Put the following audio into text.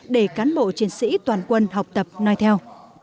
để cán bộ chiến sĩ toàn quân học tập nói theo